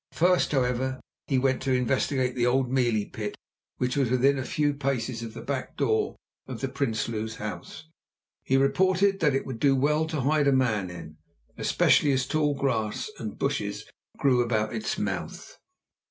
First, however, he went to investigate the old mealie pit which was within a few paces of the back door of the Prinsloos' house. He reported that it would do well to hide a man in, especially as tall grass and bushes grew about its mouth.